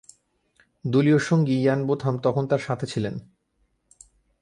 দলীয় সঙ্গী Ian Botham তখন তার সাথে ছিলেন।